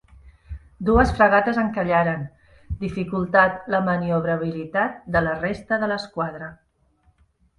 Dues fragates encallaren, dificultant la maniobrabilitat de la resta de l'esquadra.